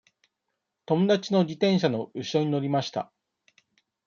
友達の自転車のうしろに乗りました。